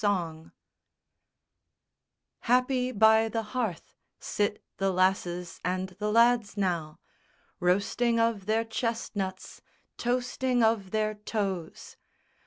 SONG I _Happy by the hearth sit the lasses and the lads, now, Roasting of their chestnuts, toasting of their toes!